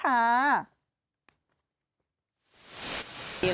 เราก็มีมีโอกาสด้วยเอง